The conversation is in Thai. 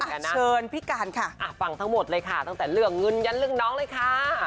เชิญพี่การค่ะฟังทั้งหมดเลยค่ะตั้งแต่เรื่องเงินยันเรื่องน้องเลยค่ะ